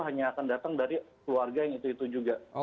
hanya akan datang dari keluarga yang itu itu juga